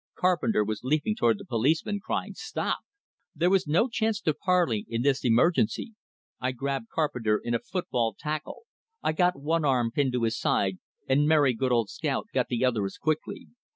Carpenter was leaping toward the policeman, crying, "Stop!" There was no chance to parley in this emergency. I grabbed Carpenter in a foot ball tackle. I got one arm pinned to his side, and Mary, good old scout, got the other as quickly.